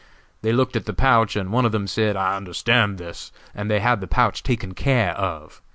They looked at the pouch, and one of them said, 'I understand this,' and they had the pouch taken care of.